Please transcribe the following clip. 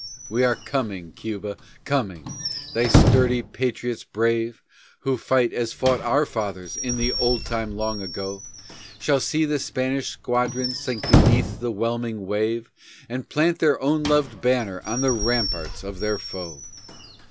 We are coming, Cuba, coming. Thy sturdy patriots brave, Who fight as fought our fathers in the old time long ago, Shall see the Spanish squadrons sink beneath the whelming wave, And plant their own loved banner on the ramparts of their foe.